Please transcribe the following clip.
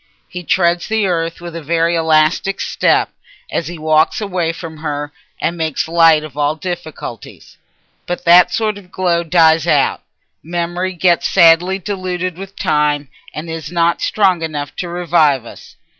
He treads the earth with a very elastic step as he walks away from her, and makes light of all difficulties. But that sort of glow dies out: memory gets sadly diluted with time, and is not strong enough to revive us.